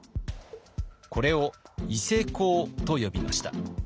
これを伊勢講と呼びました。